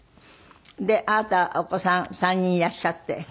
あなたはお子さん３人いらっしゃって。